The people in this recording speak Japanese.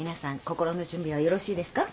心の準備はよろしいですか？